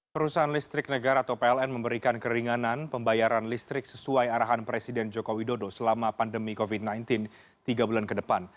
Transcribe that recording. perusahaan listrik negara atau pln memberikan keringanan pembayaran listrik sesuai arahan presiden joko widodo selama pandemi covid sembilan belas tiga bulan ke depan